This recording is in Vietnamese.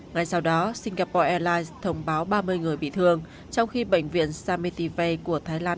ngay sau đó singapore airlines thông báo ba mươi người bị thương trong khi bệnh viện sametive của thái lan